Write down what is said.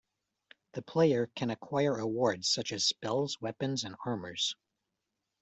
The player can acquire awards such as spells, weapons, and armors.